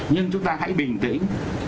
nhưng chúng ta hãy bình tĩnh